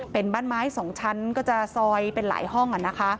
เป็นบ้านไม้๒ชั้นก็จะซอยเป็นหลายห้อง